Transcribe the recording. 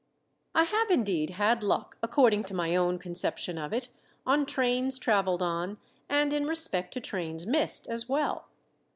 I have indeed had luck according to my own conception of it, on trains traveled on, and in respect to trains missed as well.